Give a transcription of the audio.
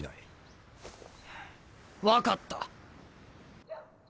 分かった。